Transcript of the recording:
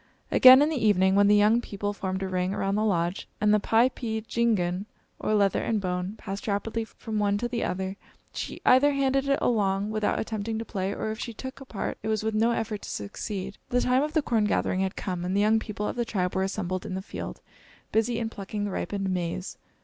Again, in the evening, when the young people formed a ring around the lodge, and the piepeendjigun, or leather and bone, passed rapidly from one to the other, she either handed it along without attempting to play, or if she took a part, it was with no effort to succeed. The time of the corn gathering had come, and the young people of the tribe were assembled in the field, busy in plucking the ripened maize.